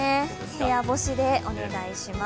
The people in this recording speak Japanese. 部屋干しでお願いします。